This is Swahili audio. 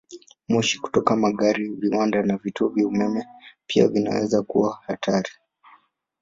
Moshi kutoka magari, viwanda, na vituo vya umeme pia vinaweza kuwa hatari.